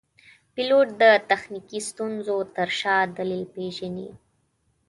پیلوټ د تخنیکي ستونزو تر شا دلیل پېژني.